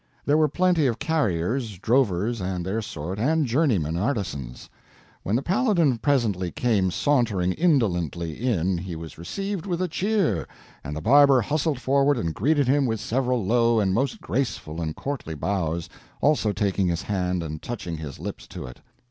There were plenty of carriers, drovers, and their sort, and journeymen artisans. When the Paladin presently came sauntering indolently in, he was received with a cheer, and the barber hustled forward and greeted him with several low and most graceful and courtly bows, also taking his hand and touching his lips to it.